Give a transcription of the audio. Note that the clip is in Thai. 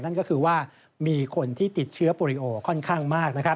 นั่นก็คือว่ามีคนที่ติดเชื้อโปรดิโอค่อนข้างมาก